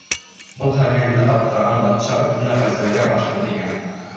Был хәлгә ныҡ аптыраған батша үҙе лә ғәзәлгә башын эйгән.